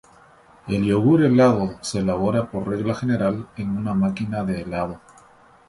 El yogur helado se elabora por regla general en una máquina de helado.